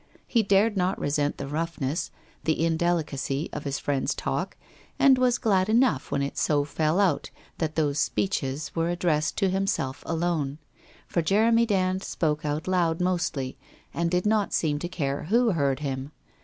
He dared not resent the roughness, the indelicacy of his friend's talk, and was glad enough when it so fell out that those speeches were addressed to himself alone. For Jeremy Dand spoke out loud mostly, and did not seem to care who heard him.